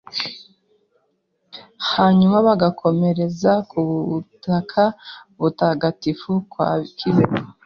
hanyuma bagakomereza ku butaka butagatifu bwa Kibeho